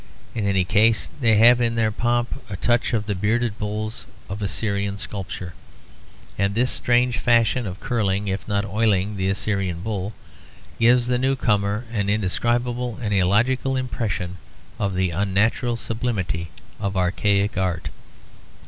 In any case they have in their pomp a touch of the bearded bulls of Assyrian sculpture; and this strange fashion of curling if not oiling the Assyrian bull gives the newcomer an indescribable and illogical impression of the unnatural sublimity of archaic art.